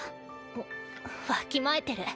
おっわきまえてる。